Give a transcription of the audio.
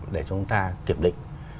để chúng ta kiểm định